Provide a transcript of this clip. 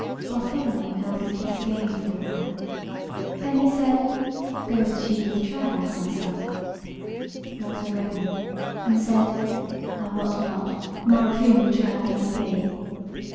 Bartholomew held his peace again for a while; then he said: "Goeth she with child, my son?" Walter reddened, and said: "I wot not; nor of whom the child may be."